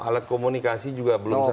alat komunikasi juga belum selesai